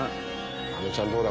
あのちゃんどうだ？